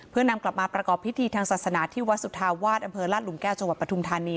เพื่อนำกลับมาประกอบพิธีทางศาสนาที่วัดสุธาวาสอำเภอราชหลุมแก้วจังหวัดปทุมธานี